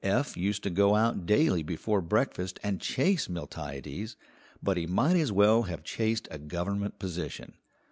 Eph used to go out daily before breakfast and chase Miltiades, but he might as well have chased a government position.